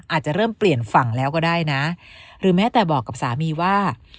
อาจจะเริ่มเปลี่ยนฝั่งแล้วก็ได้นะหรือแม้แต่บอกกับสามีว่า